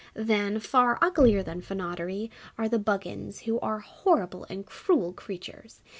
Then, far uglier than Fynoderee, are the Bugganes, who are horrible and cruel creatures.